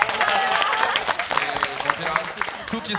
こちら、くっきー！